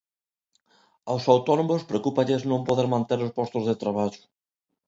Aos autónomos preocúpalles non poder manter os postos de traballo.